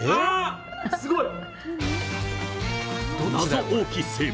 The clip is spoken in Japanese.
すごい！